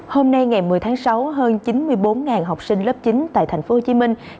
hôm nay ngày một mươi tháng sáu hơn chín mươi bốn học sinh lớp chín tại thành phố hồ chí minh